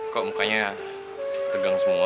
kok mukanya tegang semua